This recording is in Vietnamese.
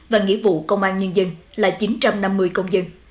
và nghĩa vụ công an nhân dân là chín trăm năm mươi công dân